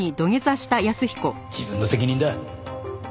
自分の責任だ。